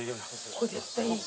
ここ絶対いい。